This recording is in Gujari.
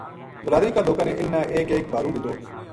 بلادری کا لوکاں نے اِنھ نا ایک ایک بھارو دِتو